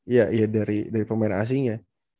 ya ya dari pemain asingnya